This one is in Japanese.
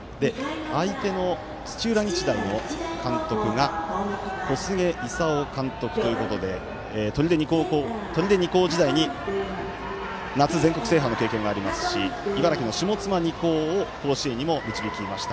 相手の土浦日大の監督が小菅勲監督ということで取手二高時代に夏全国制覇の経験がありますし茨城の高校も率いました。